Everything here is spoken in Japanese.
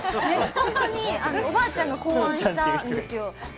本当におばあちゃんが考案したんですよ